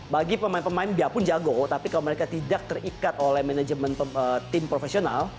bagi pemain pemain biarpun jago tapi kalau mereka tidak terikat oleh manajemen tim profesional